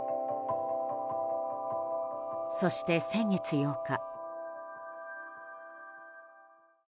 そして、先月８日。